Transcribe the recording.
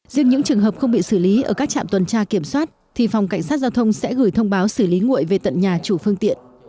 riêng những trường hợp không bị xử lý ở các trạm tuần tra kiểm soát thì phòng cảnh sát giao thông sẽ gửi thông báo xử lý nguội về tận nhà chủ phương tiện